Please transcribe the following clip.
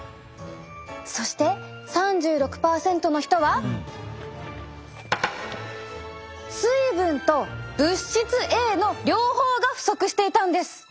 そして３６％の人は水分と物質Ａの両方が不足していたんです。